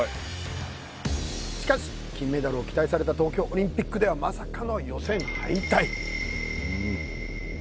しかし金メダルを期待された東京オリンピックではまさかの予選敗退